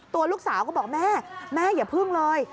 ตัวลูกสาวก็บอกแม่แม่อย่าพึ่งเลย